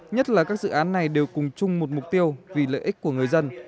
nhất là các dự án này đều cùng chung một mục tiêu vì lợi ích của người dân